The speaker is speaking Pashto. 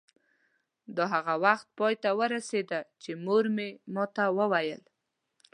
دا هغه وخت پای ته ورسېده چې مور مې ما ته وویل.